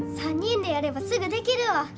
３人でやればすぐできるわ。